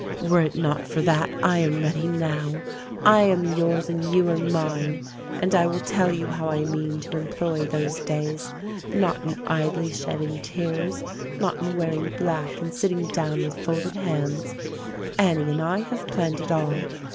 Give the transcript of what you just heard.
Were it not for that I am ready now : I am yours and you are mine ! And I will tell you how I mean to employ those days. Not in idly shedding tears, not in wearing black and sit ting down with folded hands. Annie and I have planned it all.